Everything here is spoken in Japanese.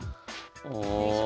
よいしょ。